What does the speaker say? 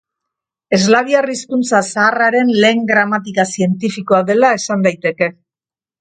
Eslaviar hizkuntza zaharraren lehen gramatika zientifikoa dela esan daiteke.